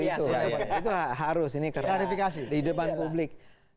itu harus ini di depan publik